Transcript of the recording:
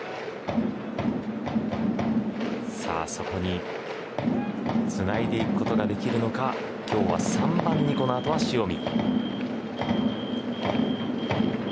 さあ、そこにつないでいくことができるのか。今日は３番にこの後は塩見。